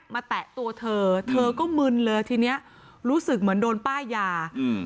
แตะตัวเธอเธอก็มึนเลยทีเนี้ยรู้สึกเหมือนโดนป้ายาอืม